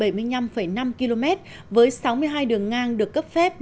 với sáu mươi hai đường ngang được cấp phép và hai mươi sáu đường ngang được cấp phép